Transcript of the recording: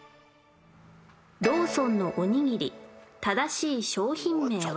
ローソンのおにぎり正しい商品名は？